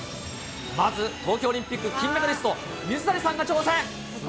まず東京オリンピック金メダリスト、水谷さんが挑戦。